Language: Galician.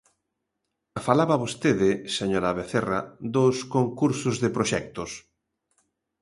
Falaba vostede, señora Vecerra, dos concursos de proxectos.